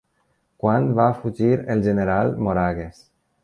Quan va fugir el General Moragues?